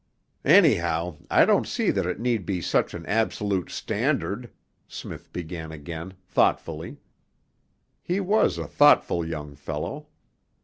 'Anyhow, I don't see that it need be such an absolute standard,' Smith began again, thoughtfully; he was a thoughtful young fellow.